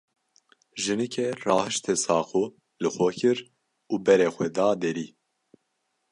Jinikê rahişte saqo, li xwe kir û berê xwe da derî.